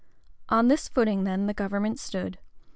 On this footing then the government stood.